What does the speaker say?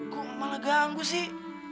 kok malah ganggu sih